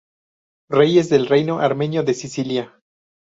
Reyes del reino armenio de Cilicia